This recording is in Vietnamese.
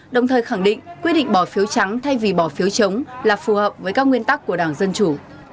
đồng thời khẳng định quyết định bỏ phiếu trắng thay vì bỏ phiếu chống là phù hợp với các nguyên tắc của đảng dân chủ